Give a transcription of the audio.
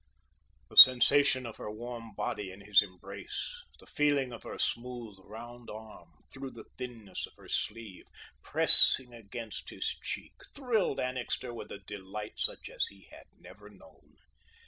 The sensation of her warm body in his embrace, the feeling of her smooth, round arm, through the thinness of her sleeve, pressing against his cheek, thrilled Annixter with a delight such as he had never known.